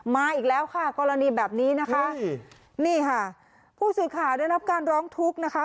มาอีกแล้วค่ะกรณีแบบนี้นะคะนี่ค่ะผู้สื่อข่าวได้รับการร้องทุกข์นะคะ